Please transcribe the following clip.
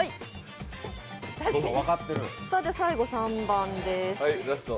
最後３番です。